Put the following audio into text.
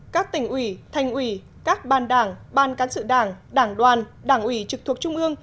các tỉnh ủy thành ủy các ban đảng ban cán sự đảng đảng đoàn đảng ủy trực thuộc trung ương